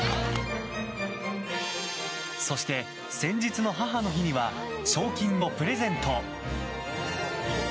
そして先日の母の日には賞金をプレゼント。